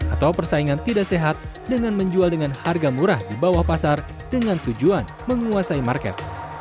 atau persaingan tidak sehat dengan menjual dengan harga murah di bawah pasar dengan tujuan menguasai market